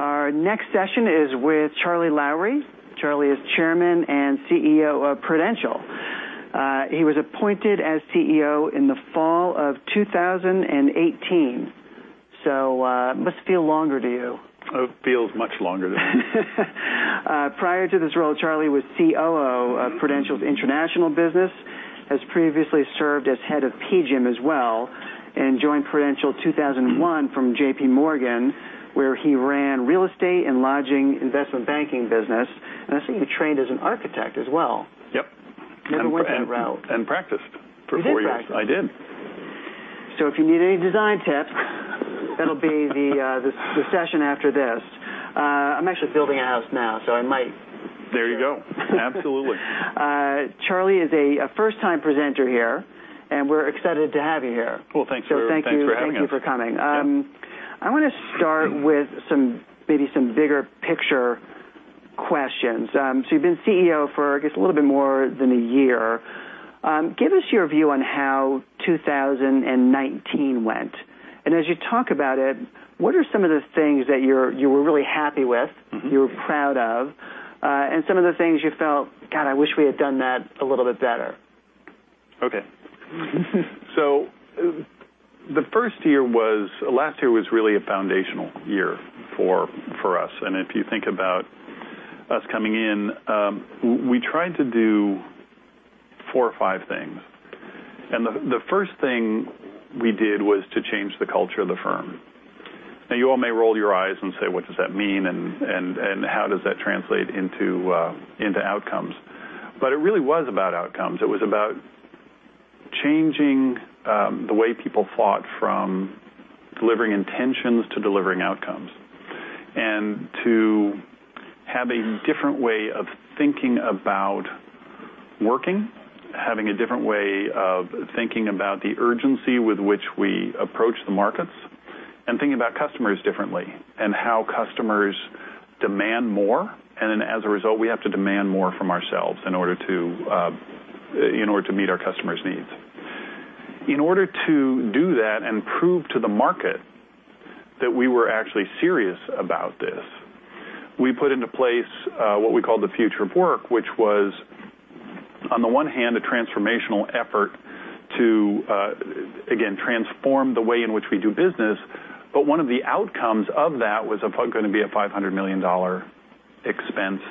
Our next session is with Charlie Lowrey. Charlie is Chairman and CEO of Prudential. He was appointed as CEO in the fall of 2018, it must feel longer to you. It feels much longer than that. Prior to this role, Charlie was COO of Prudential's international business, has previously served as head of PGIM as well, joined Prudential in 2001 from JP Morgan, where he ran real estate and lodging investment banking business. I see you trained as an architect as well. Yep. Never went that route. Practiced for four years. You did practice? I did. If you need any design tips, that'll be the session after this. I'm actually building a house now, so I might. There you go. Absolutely. Charlie is a first-time presenter here, and we're excited to have you here. Well, thanks for having us. Thank you for coming. Yep. I want to start with maybe some bigger picture questions. You've been CEO for, I guess, a little bit more than one year. Give us your view on how 2019 went. As you talk about it, what are some of the things that you were really happy with, you're proud of, and some of the things you felt, "God, I wish we had done that a little bit better"? Okay. The last year was really a foundational year for us. If you think about us coming in, we tried to do four or five things, the first thing we did was to change the culture of the firm. You all may roll your eyes and say, "What does that mean? How does that translate into outcomes?" It really was about outcomes. It was about changing the way people thought from delivering intentions to delivering outcomes, to have a different way of thinking about working, having a different way of thinking about the urgency with which we approach the markets, thinking about customers differently, and how customers demand more. As a result, we have to demand more from ourselves in order to meet our customers' needs. In order to do that and prove to the market that we were actually serious about this, we put into place what we call the future of work, which was, on the one hand, a transformational effort to, again, transform the way in which we do business. One of the outcomes of that was going to be a $500 million expense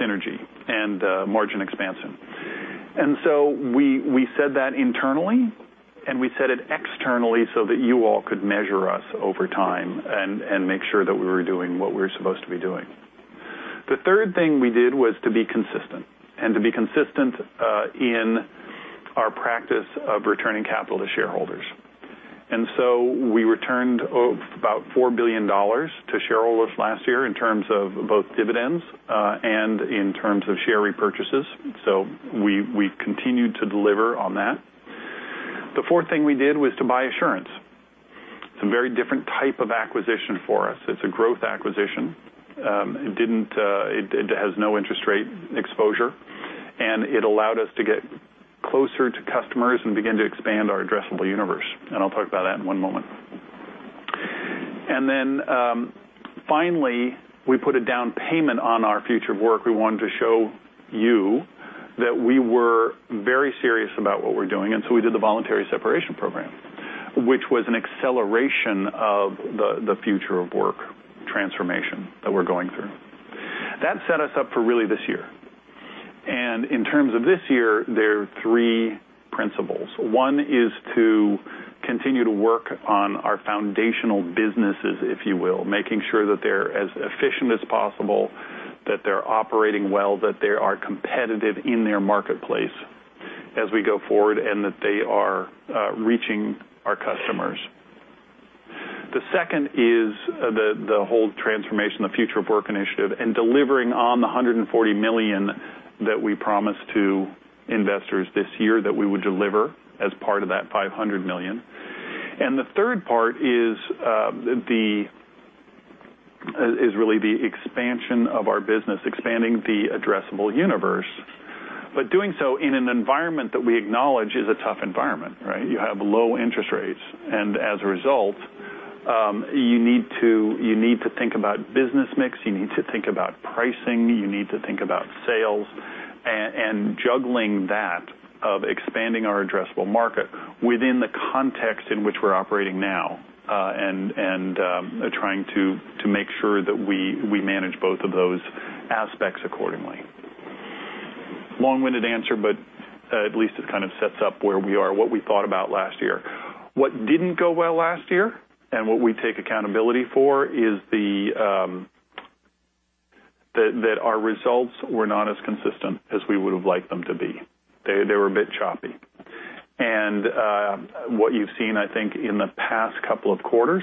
synergy and margin expansion. We said that internally, we said it externally so that you all could measure us over time and make sure that we were doing what we were supposed to be doing. The third thing we did was to be consistent, to be consistent in our practice of returning capital to shareholders. We returned about $4 billion to shareholders last year in terms of both dividends, in terms of share repurchases. We've continued to deliver on that. The fourth thing we did was to buy Assurance. It's a very different type of acquisition for us. It's a growth acquisition. It has no interest rate exposure, it allowed us to get closer to customers and begin to expand our addressable universe, I'll talk about that in one moment. Finally, we put a down payment on our future of work. We wanted to show you that we were very serious about what we're doing, we did the voluntary separation program, which was an acceleration of the future of work transformation that we're going through. That set us up for really this year. In terms of this year, there are three principles. One is to continue to work on our foundational businesses, if you will, making sure that they're as efficient as possible, that they're operating well, that they are competitive in their marketplace as we go forward, and that they are reaching our customers. The second is the whole transformation, the Future of Work Initiative, delivering on the $140 million that we promised to investors this year that we would deliver as part of that $500 million. The third part is really the expansion of our business, expanding the addressable universe, but doing so in an environment that we acknowledge is a tough environment, right? You have low interest rates, as a result, you need to think about business mix, you need to think about pricing, you need to think about sales, and juggling that of expanding our addressable market within the context in which we're operating now, and trying to make sure that we manage both of those aspects accordingly. Long-winded answer, at least it kind of sets up where we are, what we thought about last year. What didn't go well last year, and what we take accountability for, is that our results were not as consistent as we would've liked them to be. They were a bit choppy. What you've seen, I think, in the past couple of quarters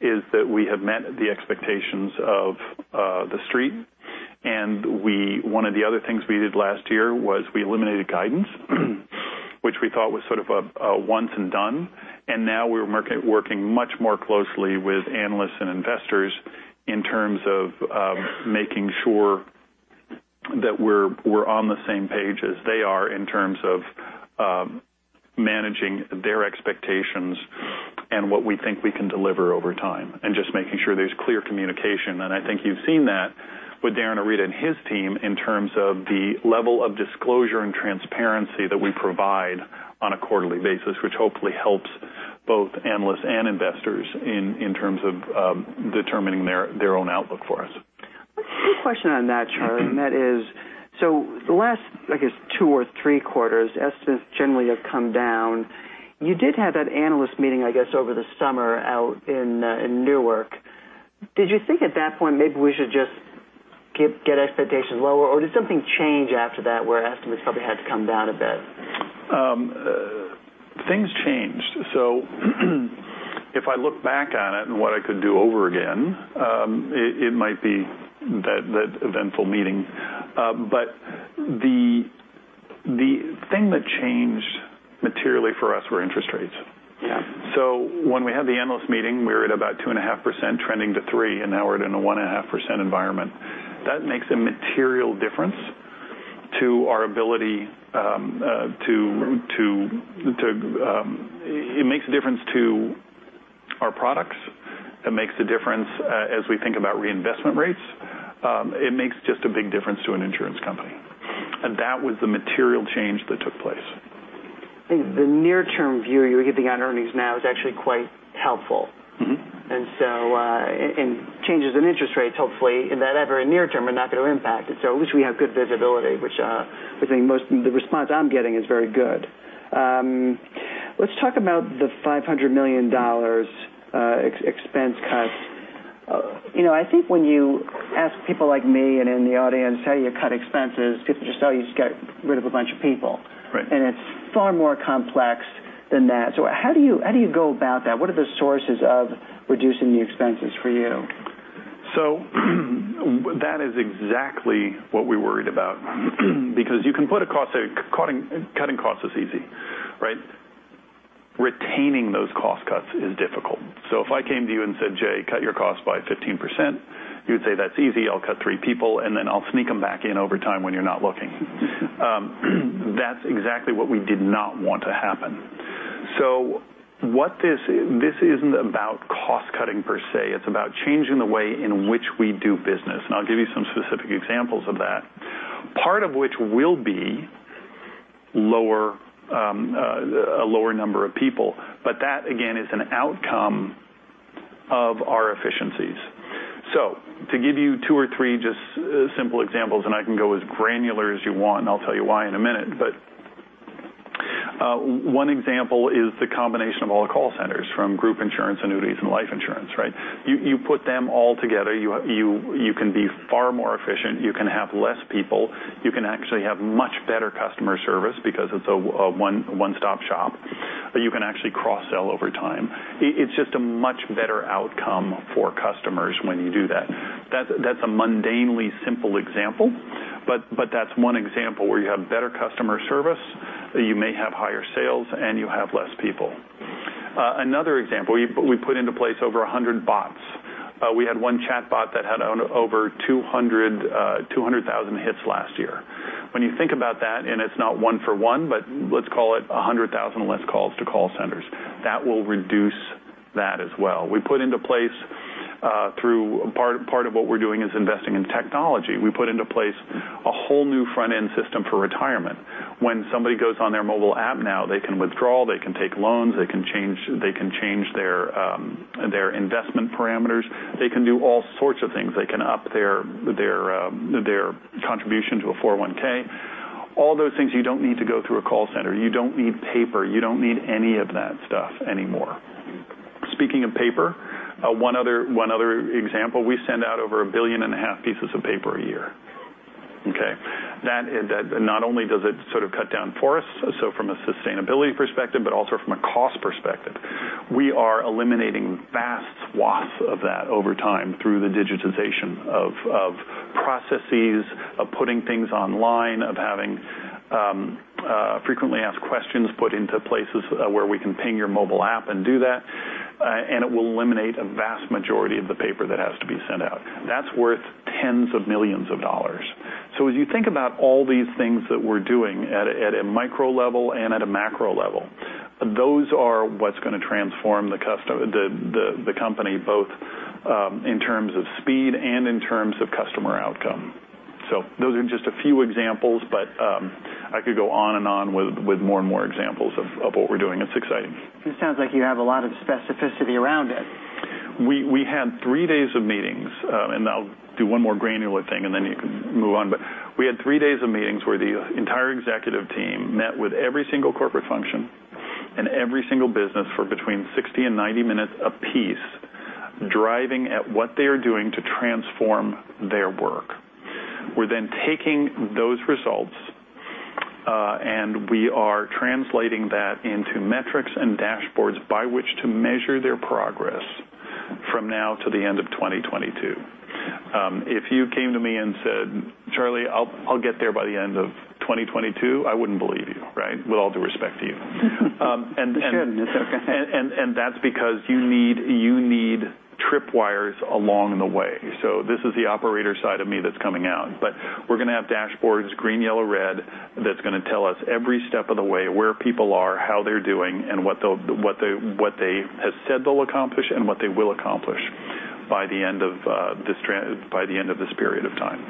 is that we have met the expectations of the street. One of the other things we did last year was we eliminated guidance, which we thought was sort of a once and done. Now we're working much more closely with analysts and investors in terms of making sure that we're on the same page as they are in terms of managing their expectations and what we think we can deliver over time, and just making sure there's clear communication. I think you've seen that with Darin Arita and his team in terms of the level of disclosure and transparency that we provide on a quarterly basis, which hopefully helps both analysts and investors in terms of determining their own outlook for us. A quick question on that, Charlie, the last, I guess, two or three quarters, estimates generally have come down. You did have that analyst meeting, I guess, over the summer out in Newark. Did you think at that point maybe we should just get expectations lower? Did something change after that where estimates probably had to come down a bit? Things changed. If I look back on it and what I could do over again, it might be that eventful meeting. The thing that changed materially for us were interest rates. Yeah. When we had the analyst meeting, we were at about 2.5% trending to 3%, and now we're in a 1.5% environment. That makes a material difference to our ability. It makes a difference to our products. It makes a difference as we think about reinvestment rates. It makes just a big difference to an insurance company. That was the material change that took place. I think the near-term view you're giving on earnings now is actually quite helpful. Changes in interest rates, hopefully, in that ever near term are not going to impact it. At least we have good visibility, which I think. The response I'm getting is very good. Let's talk about the $500 million expense cuts. I think when you ask people like me and in the audience, how you cut expenses, people just say, oh, you just get rid of a bunch of people. Right. It's far more complex than that. How do you go about that? What are the sources of reducing the expenses for you? That is exactly what we worried about because you can put a. Cutting costs is easy, right? Retaining those cost cuts is difficult. If I came to you and said, "Jay, cut your costs by 15%," you'd say, "That's easy. I'll cut three people, and then I'll sneak them back in over time when you're not looking." That's exactly what we did not want to happen. This isn't about cost-cutting per se. It's about changing the way in which we do business, and I'll give you some specific examples of that. Part of which will be a lower number of people. But that, again, is an outcome of our efficiencies. To give you two or three just simple examples, and I can go as granular as you want, and I'll tell you why in a minute. One example is the combination of all the call centers from group insurance, annuities, and life insurance, right? You put them all together. You can be far more efficient. You can have less people. You can actually have much better customer service because it's a one-stop shop. You can actually cross-sell over time. It's just a much better outcome for customers when you do that. That's a mundanely simple example, but that's one example where you have better customer service, you may have higher sales, and you have less people. Another example, we put into place over 100 bots. We had one chatbot that had over 200,000 hits last year. When you think about that, and it's not one for one, but let's call it 100,000 less calls to call centers. That will reduce that as well. We put into place. Part of what we're doing is investing in technology. We put into place a whole new front-end system for retirement. When somebody goes on their mobile app now, they can withdraw, they can take loans, they can change their investment parameters. They can do all sorts of things. They can up their contribution to a 401(k). All those things, you don't need to go through a call center. You don't need paper. You don't need any of that stuff anymore. Speaking of paper, one other example, we send out over a billion and a half pieces of paper a year. Okay? Not only does it sort of cut down forests, so from a sustainability perspective, but also from a cost perspective. We are eliminating vast swaths of that over time through the digitization of processes, of putting things online, of having frequently asked questions put into places where we can ping your mobile app and do that, and it will eliminate a vast majority of the paper that has to be sent out. That's worth tens of millions of dollars. As you think about all these things that we're doing at a micro level and at a macro level, those are what's going to transform the company, both in terms of speed and in terms of customer outcome. Those are just a few examples, but I could go on and on with more and more examples of what we're doing. It's exciting. It sounds like you have a lot of specificity around it. We had three days of meetings. I'll do one more granular thing and then you can move on. We had three days of meetings where the entire executive team met with every single corporate function and every single business for between 60 and 90 minutes a piece, driving at what they are doing to transform their work. We're then taking those results. We are translating that into metrics and dashboards by which to measure their progress From now to the end of 2022. If you came to me and said, "Charlie, I'll get there by the end of 2022," I wouldn't believe you, right? With all due respect to you. You shouldn't. It's okay. That's because you need tripwires along the way. This is the operator side of me that's coming out. We're going to have dashboards, green, yellow, red, that's going to tell us every step of the way where people are, how they're doing, and what they have said they'll accomplish and what they will accomplish by the end of this period of time.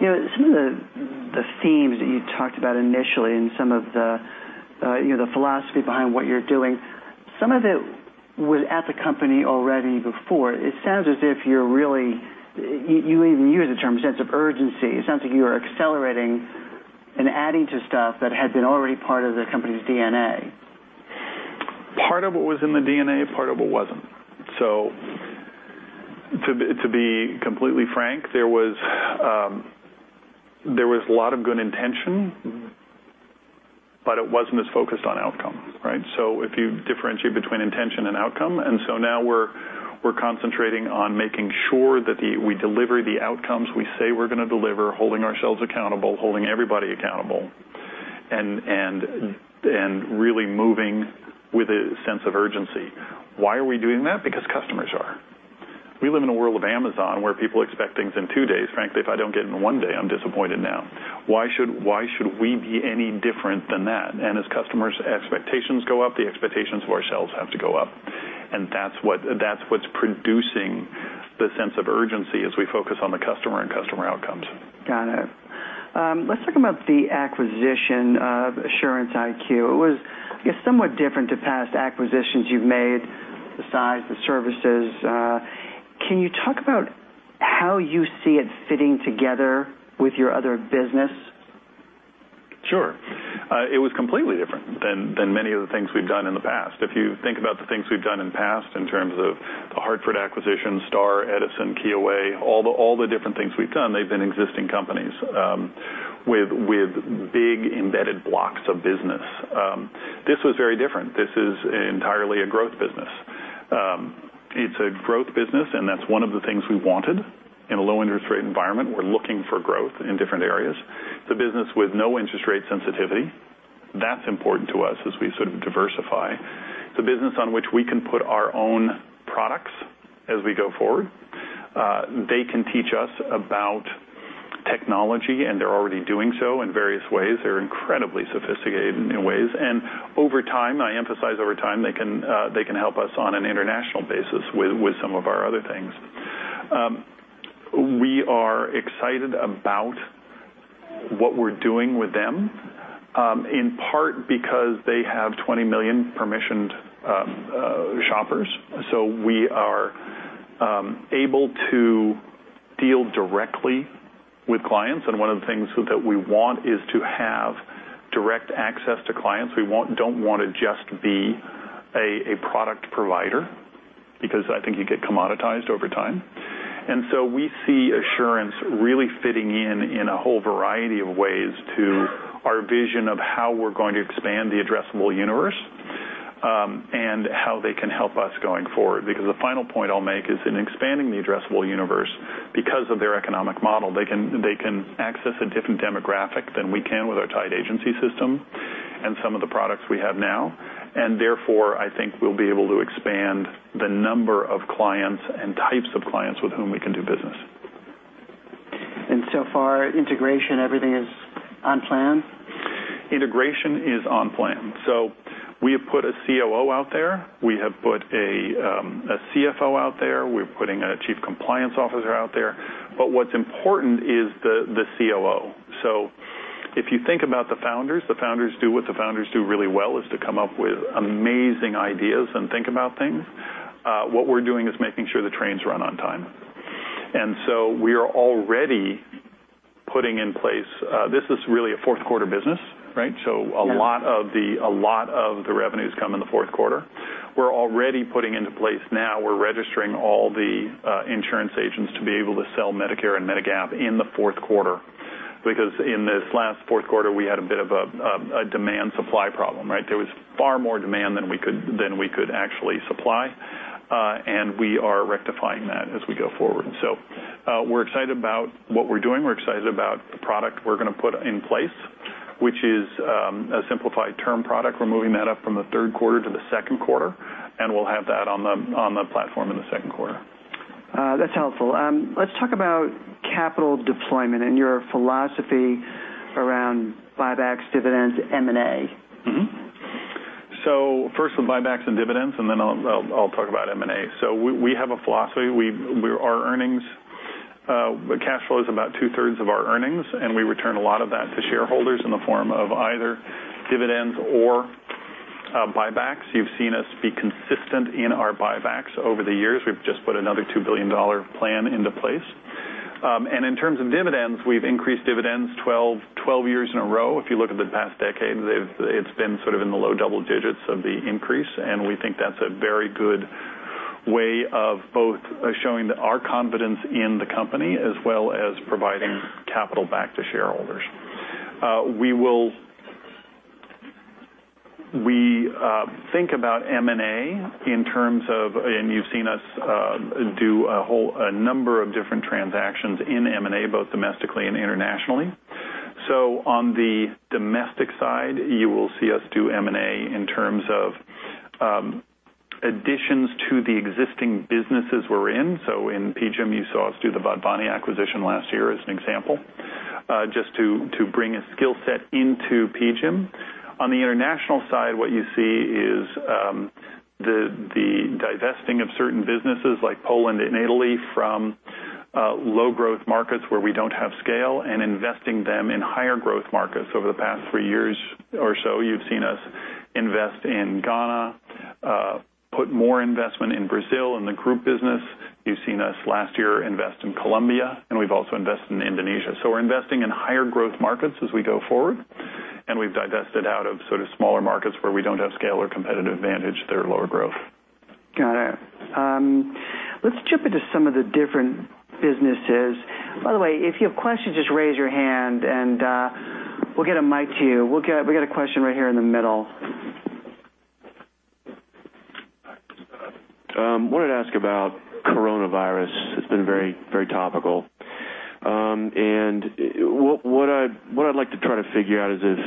Some of the themes that you talked about initially and some of the philosophy behind what you're doing, some of it was at the company already before. It sounds as if you even used the term sense of urgency. It sounds like you are accelerating and adding to stuff that had been already part of the company's DNA. Part of it was in the DNA, part of it wasn't. To be completely frank, there was a lot of good intention, but it wasn't as focused on outcome, right? If you differentiate between intention and outcome, now we're concentrating on making sure that we deliver the outcomes we say we're going to deliver, holding ourselves accountable, holding everybody accountable, and really moving with a sense of urgency. Why are we doing that? Because customers are. We live in a world of Amazon where people expect things in two days. Frankly, if I don't get it in one day, I'm disappointed now. Why should we be any different than that? As customers' expectations go up, the expectations for ourselves have to go up. That's what's producing the sense of urgency as we focus on the customer and customer outcomes. Got it. Let's talk about the acquisition of Assurance IQ. It was, I guess, somewhat different to past acquisitions you've made, the size, the services. Can you talk about how you see it fitting together with your other business? Sure. It was completely different than many of the things we've done in the past. If you think about the things we've done in the past in terms of The Hartford acquisition, Star, Edison, Kyoei, all the different things we've done, they've been existing companies with big embedded blocks of business. This was very different. This is entirely a growth business. It's a growth business. That's one of the things we wanted. In a low interest rate environment, we're looking for growth in different areas. It's a business with no interest rate sensitivity. That's important to us as we sort of diversify. It's a business on which we can put our own products as we go forward. They can teach us about technology. They're already doing so in various ways. They're incredibly sophisticated in ways. Over time, I emphasize over time, they can help us on an international basis with some of our other things. We are excited about what we're doing with them, in part because they have 20 million permissioned shoppers. We are able to deal directly with clients, and one of the things that we want is to have direct access to clients. We don't want to just be a product provider, because I think you get commoditized over time. We see Assurance really fitting in in a whole variety of ways to our vision of how we're going to expand the addressable universe, and how they can help us going forward. The final point I'll make is in expanding the addressable universe, because of their economic model, they can access a different demographic than we can with our tied agency system and some of the products we have now, and therefore, I think we'll be able to expand the number of clients and types of clients with whom we can do business. So far, integration, everything is on plan? Integration is on plan. We have put a COO out there. We have put a CFO out there. We're putting a chief compliance officer out there. What's important is the COO. If you think about the founders, the founders do what the founders do really well, is to come up with amazing ideas and think about things. What we're doing is making sure the trains run on time. We are already putting in place. This is really a fourth quarter business, right? Yeah. A lot of the revenues come in the fourth quarter. We're already putting into place now, we're registering all the insurance agents to be able to sell Medicare and Medigap in the fourth quarter. In this last fourth quarter, we had a bit of a demand supply problem, right? There was far more demand than we could actually supply. We are rectifying that as we go forward. We're excited about what we're doing. We're excited about the product we're going to put in place, which is a simplified term product. We're moving that up from the third quarter to the second quarter, and we'll have that on the platform in the second quarter. That's helpful. Let's talk about capital deployment and your philosophy around buybacks, dividends, M&A. First with buybacks and dividends, then I'll talk about M&A. We have a philosophy. Our cash flow is about two-thirds of our earnings, and we return a lot of that to shareholders in the form of either dividends or buybacks. You've seen us be consistent in our buybacks over the years. We've just put another $2 billion plan into place. In terms of dividends, we've increased dividends 12 years in a row. If you look at the past decade, it's been sort of in the low double digits of the increase, and we think that's a very good way of both showing our confidence in the company, as well as providing capital back to shareholders. We think about M&A in terms of, you've seen us do a number of different transactions in M&A, both domestically and internationally. On the domestic side, you will see us do M&A in terms of additions to the existing businesses we're in. In PGIM, you saw us do the Bodoni acquisition last year as an example, just to bring a skill set into PGIM. On the international side, what you see is the divesting of certain businesses like Poland and Italy from low growth markets where we don't have scale and investing them in higher growth markets. Over the past three years or so, you've seen us invest in Ghana, put more investment in Brazil in the group business. You've seen us last year invest in Colombia, and we've also invested in Indonesia. We're investing in higher growth markets as we go forward, and we've divested out of sort of smaller markets where we don't have scale or competitive advantage. They're lower growth. Got it. Let's jump into some of the different businesses. By the way, if you have questions, just raise your hand and we'll get a mic to you. We got a question right here in the middle. Wanted to ask about coronavirus. It's been very topical. What I'd like to try to figure is this: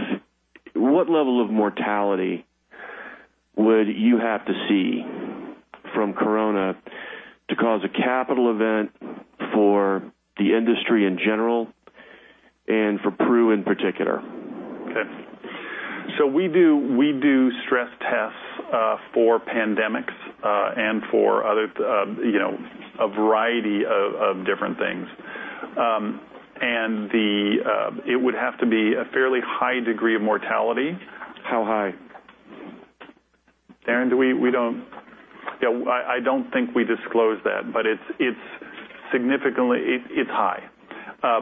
what level of mortality would you have to see from corona to cause a capital event for the industry in general and for Pru in particular? Okay. We do stress tests for pandemics, and for a variety of different things. It would have to be a fairly high degree of mortality. How high? Aaron, I don't think we disclose that, but it's high.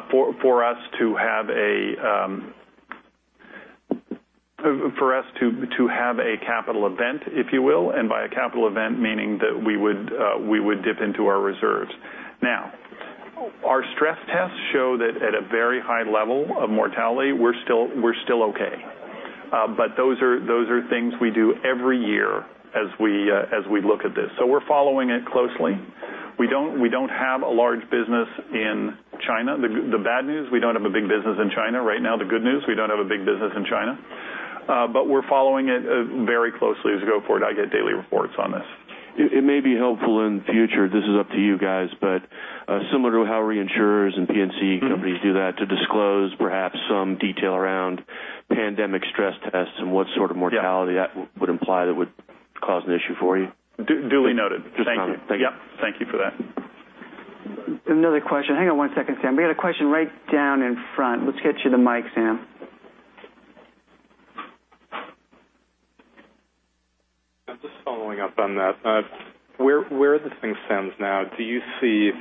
For us to have a capital event, if you will, and by a capital event, meaning that we would dip into our reserves. Our stress tests show that at a very high level of mortality, we're still okay. Those are things we do every year as we look at this. We're following it closely. We don't have a large business in China. The bad news, we don't have a big business in China right now. The good news, we don't have a big business in China. We're following it very closely as we go forward. I get daily reports on this. It may be helpful in the future, this is up to you guys, but similar to how reinsurers and P&C companies do that, to disclose perhaps some detail around pandemic stress tests and what sort of mortality that would imply that would cause an issue for you. Duly noted. Thank you. Thank you. Yep. Thank you for that. Another question. Hang on one second, Sam. We got a question right down in front. Let's get you the mic, Sam. Just following up on that. Where this thing stands now, do you see,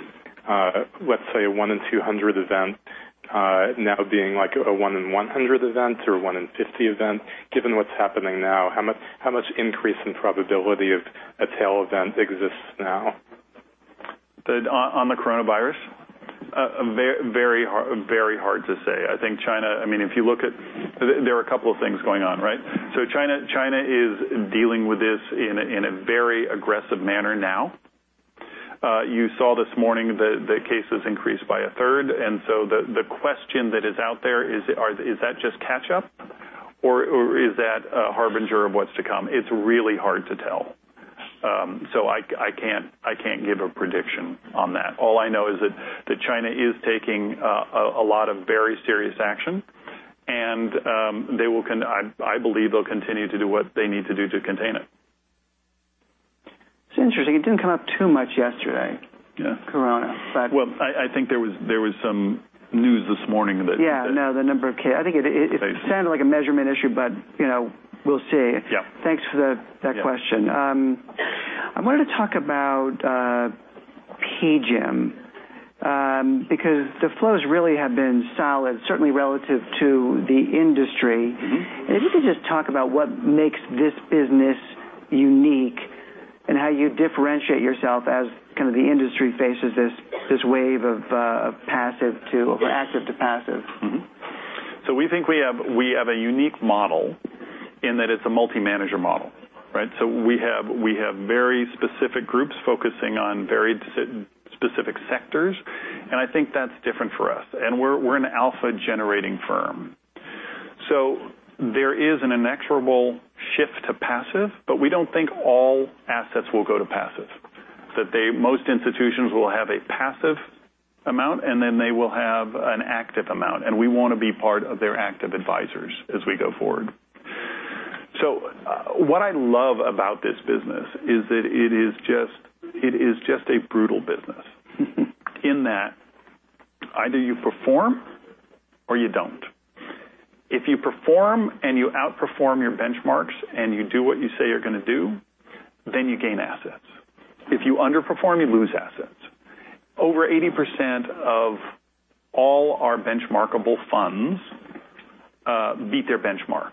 let's say, a one in 200 event now being like a one in 100 event or a one in 50 event, given what's happening now? How much increase in probability of a tail event exists now? On the coronavirus? Very hard to say. There are a couple of things going on, right? China is dealing with this in a very aggressive manner now. You saw this morning that cases increased by a third, the question that is out there is: is that just catch-up or is that a harbinger of what's to come? It's really hard to tell. I can't give a prediction on that. All I know is that China is taking a lot of very serious action, and I believe they'll continue to do what they need to do to contain it. It's interesting. It didn't come up too much yesterday. Yeah. Corona. Well, I think there was some news this morning. Yeah. No, I think it sounded like a measurement issue, but we'll see. Yeah. Thanks for that question. I wanted to talk about PGIM, because the flows really have been solid, certainly relative to the industry. If you could just talk about what makes this business unique and how you differentiate yourself as kind of the industry faces this wave of active to passive. We think we have a unique model in that it's a multi-manager model, right? We have very specific groups focusing on very specific sectors, and I think that's different for us. We're an alpha-generating firm. There is an inexorable shift to passive, but we don't think all assets will go to passive, that most institutions will have a passive amount, and then they will have an active amount, and we want to be part of their active advisors as we go forward. What I love about this business is that it is just a brutal business in that either you perform or you don't. If you perform and you outperform your benchmarks and you do what you say you're going to do, then you gain assets. If you underperform, you lose assets. Over 80% of all our benchmarkable funds beat their benchmark,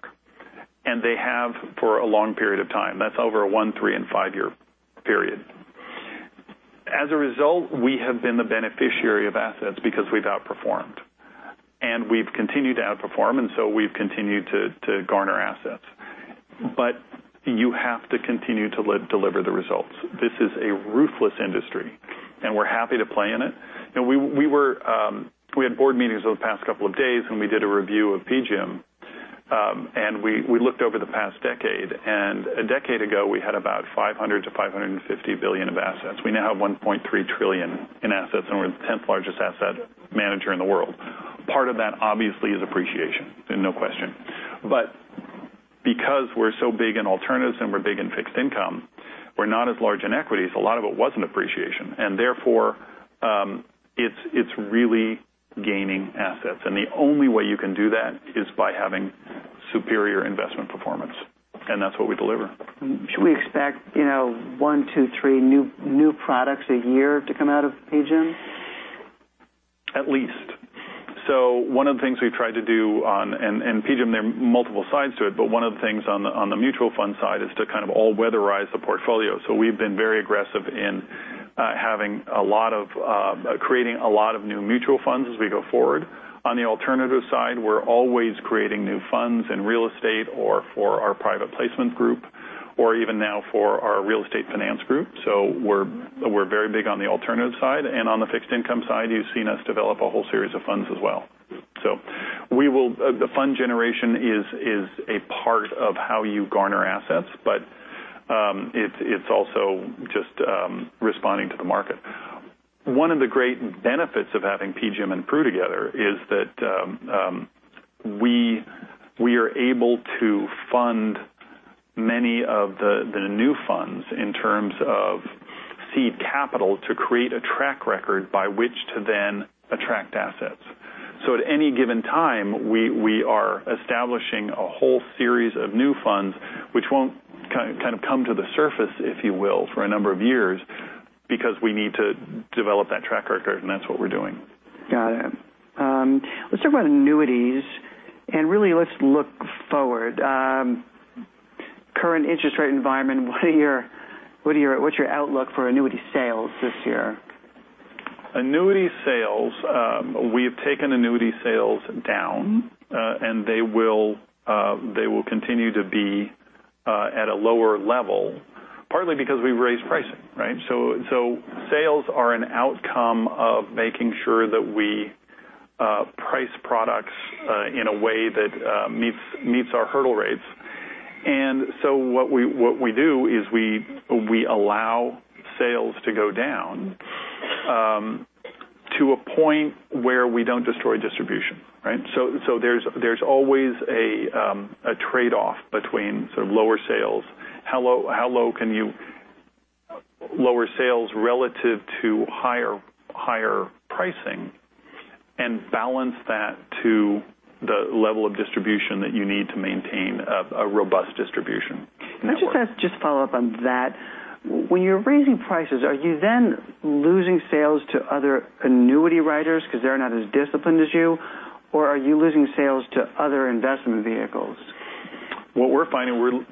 and they have for a long period of time. That's over a one, three, and five-year period. As a result, we have been the beneficiary of assets because we've outperformed. We've continued to outperform, we've continued to garner assets. You have to continue to deliver the results. This is a ruthless industry, and we're happy to play in it. We had board meetings over the past couple of days when we did a review of PGIM, and we looked over the past decade. A decade ago, we had about $500 billion to $550 billion of assets. We now have $1.3 trillion in assets, and we're the 10th largest asset manager in the world. Part of that, obviously, is appreciation. No question. Because we're so big in alternatives and we're big in fixed income, we're not as large in equities. A lot of it wasn't appreciation. Therefore, it's really gaining assets. The only way you can do that is by having superior investment performance. That's what we deliver. Should we expect one, two, three new products a year to come out of PGIM? At least. One of the things we've tried to do on PGIM, there are multiple sides to it, one of the things on the mutual fund side is to kind of all weatherize the portfolio. We've been very aggressive in creating a lot of new mutual funds as we go forward. On the alternative side, we're always creating new funds in real estate or for our private placement group, or even now for our real estate finance group. We're very big on the alternative side. On the fixed income side, you've seen us develop a whole series of funds as well. The fund generation is a part of how you garner assets, but it's also just responding to the market. One of the great benefits of having PGIM and Pru together is that we are able to fund many of the new funds in terms of seed capital to create a track record by which to then attract assets. At any given time, we are establishing a whole series of new funds which won't kind of come to the surface, if you will, for a number of years because we need to develop that track record, and that's what we're doing. Got it. Let's talk about annuities, really let's look forward. Current interest rate environment, what's your outlook for annuity sales this year? Annuity sales, we have taken annuity sales down. They will continue to be at a lower level, partly because we've raised pricing, right? Sales are an outcome of making sure that we price products in a way that meets our hurdle rates. What we do is we allow sales to go down to a point where we don't destroy distribution, right? There's always a trade-off between lower sales. How low can you lower sales relative to higher pricing and balance that to the level of distribution that you need to maintain a robust distribution in the market? Let's just follow up on that. When you're raising prices, are you then losing sales to other annuity writers because they're not as disciplined as you? Or are you losing sales to other investment vehicles? What we're finding,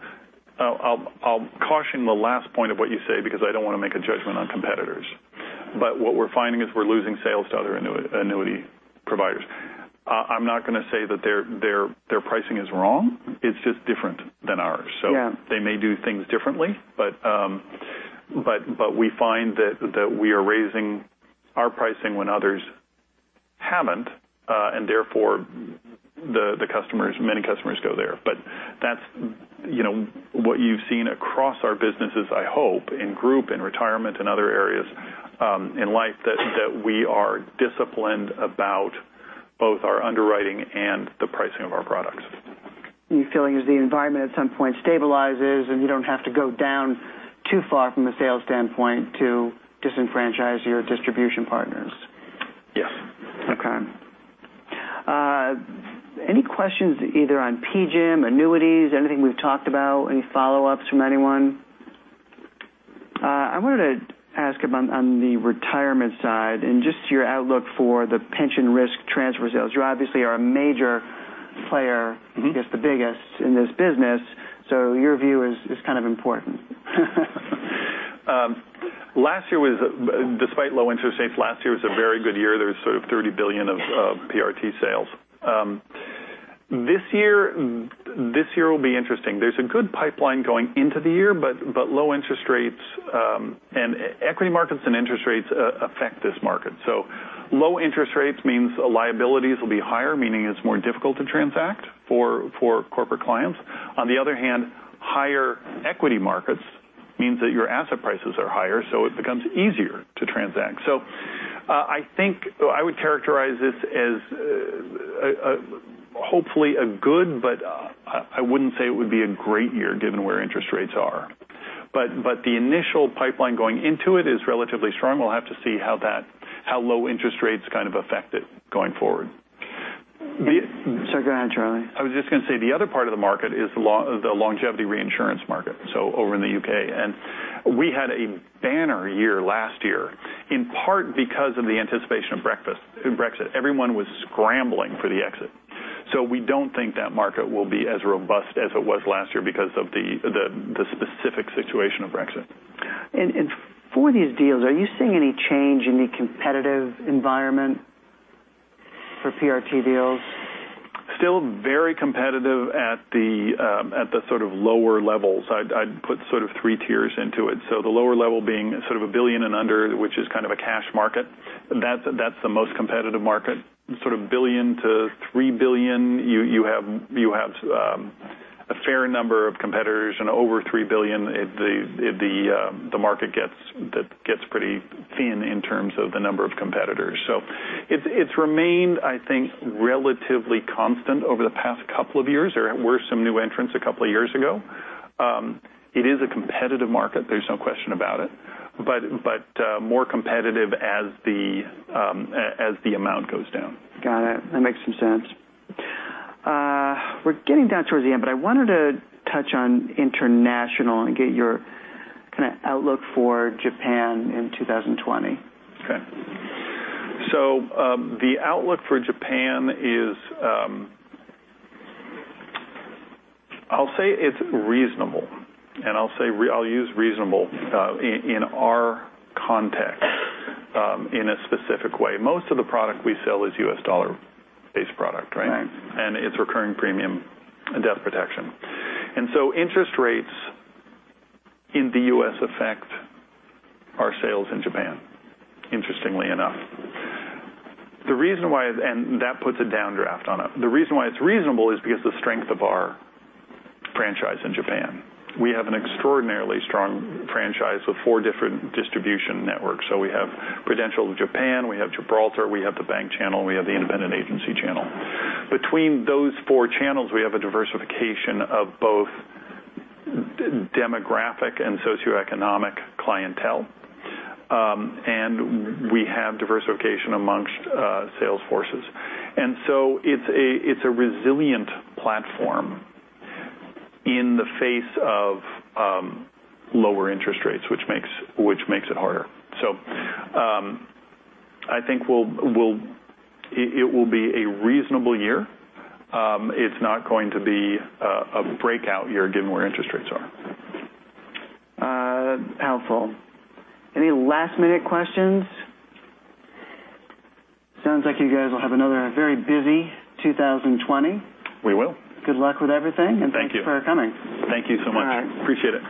I'll caution the last point of what you say because I don't want to make a judgment on competitors. What we're finding is we're losing sales to other annuity providers. I'm not going to say that their pricing is wrong. It's just different than ours. Yeah. They may do things differently. We find that we are raising our pricing when others haven't. Therefore, many customers go there. That's what you've seen across our businesses, I hope, in group, in retirement, and other areas in life, that we are disciplined about both our underwriting and the pricing of our products. Your feeling is the environment at some point stabilizes, and you don't have to go down too far from a sales standpoint to disenfranchise your distribution partners. Yes. Okay. Any questions either on PGIM, annuities, anything we've talked about? Any follow-ups from anyone? I wanted to ask about on the retirement side and just your outlook for the pension risk transfer sales. You obviously are a major player. I guess the biggest in this business. Your view is kind of important. Despite low interest rates, last year was a very good year. There was sort of $30 billion of PRT sales. This year will be interesting. There's a good pipeline going into the year. Low interest rates, and equity markets and interest rates affect this market. Low interest rates means liabilities will be higher, meaning it's more difficult to transact for corporate clients. On the other hand, higher equity markets means that your asset prices are higher, so it becomes easier to transact. I think I would characterize this as hopefully a good, but I wouldn't say it would be a great year given where interest rates are. The initial pipeline going into it is relatively strong. We'll have to see how low interest rates kind of affect it going forward. Sorry, go ahead, Charlie. I was just going to say, the other part of the market is the longevity reinsurance market, so over in the U.K. We had a banner year last year, in part because of the anticipation of Brexit. Everyone was scrambling for the exit. We don't think that market will be as robust as it was last year because of the specific situation of Brexit. For these deals, are you seeing any change in the competitive environment for PRT deals? Still very competitive at the sort of lower levels. I'd put sort of 3 tiers into it. The lower level being sort of a $1 billion and under, which is kind of a cash market. That's the most competitive market. Sort of $1 billion to $3 billion, you have a fair number of competitors. Over $3 billion, the market gets pretty thin in terms of the number of competitors. It's remained, I think, relatively constant over the past couple of years. There were some new entrants a couple of years ago. It is a competitive market, there's no question about it, but more competitive as the amount goes down. Got it. That makes some sense. We're getting down towards the end, but I wanted to touch on international and get your kind of outlook for Japan in 2020. The outlook for Japan is, I'll say it's reasonable, and I'll use reasonable in our context, in a specific way. Most of the product we sell is U.S. dollar-based product, right? Right. It's recurring premium and debt protection. Interest rates in the U.S. affect our sales in Japan, interestingly enough. That puts a downdraft on it. The reason why it's reasonable is because the strength of our franchise in Japan. We have an extraordinarily strong franchise of four different distribution networks. We have Prudential Japan, we have Gibraltar, we have the bank channel, and we have the independent agency channel. Between those four channels, we have a diversification of both demographic and socioeconomic clientele, and we have diversification amongst sales forces. It's a resilient platform in the face of lower interest rates, which makes it harder. I think it will be a reasonable year. It's not going to be a breakout year given where interest rates are. Helpful. Any last-minute questions? Sounds like you guys will have another very busy 2020. We will. Good luck with everything- Thank you Thank you for coming. Thank you so much. All right. Appreciate it.